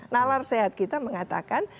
nalar sehat kita mengatakan